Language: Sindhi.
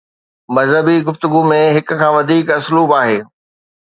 مذهبي گفتگو ۾ هڪ کان وڌيڪ اسلوب آهي.